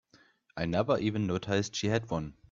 I never even noticed she had one.